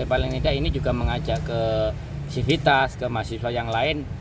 paling tidak ini juga mengajak ke sivitas ke mahasiswa yang lain